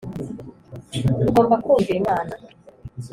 Tugomba kumvira Imana